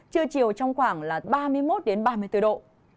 trưa chiều trong khoảng ba mươi một đến ba mươi bốn độ